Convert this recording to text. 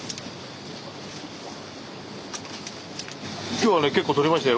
今日はね結構取れましたよ。